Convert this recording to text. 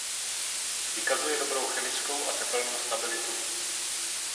Vykazuje dobrou chemickou a tepelnou stabilitu.